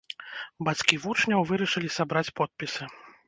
Бацькі вучняў вырашылі сабраць подпісы.